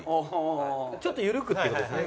ちょっと緩くって事ですね。